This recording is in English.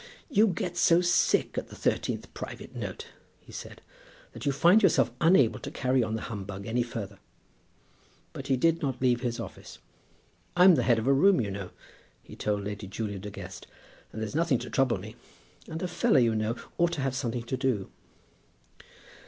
"You get so sick at the thirteenth private note," he said, "that you find yourself unable to carry on the humbug any farther." But he did not leave his office. "I'm the head of a room, you know," he told Lady Julia De Guest; "and there's nothing to trouble me, and a fellow, you know, ought to have something to do."